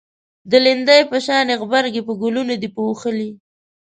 د لیندۍ په شانی غبرگی په گلونو دی پوښلی